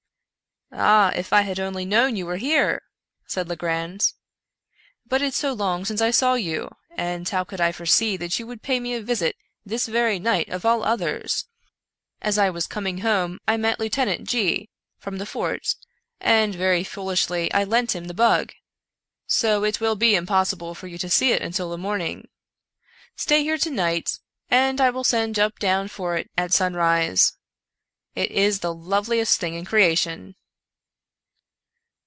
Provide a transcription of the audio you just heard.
" Ah, if I had only known you were here !" said Le grand, " but it's so long since I saw you ; and how could I 126 Edgar Allan Poc foresee that you would pay me a visit this very night of all others ? As I was coming home I met Lieutenant G , from the fort, and, very foolishly, I lent him the bug; so it will be impossible for you to see it until the morning. Stay here to night, and I will send Jup down for it at sun rise. It is the loveliest thing in creation